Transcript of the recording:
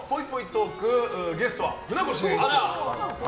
トークゲストは船越英一郎さん。